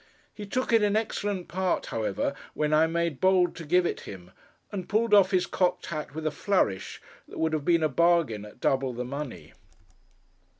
He took it in excellent part, however, when I made bold to give it him, and pulled off his cocked hat with a flourish that would have been a bargain at double the money.